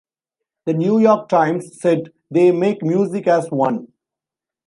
"The New York Times" said: "They make music as one.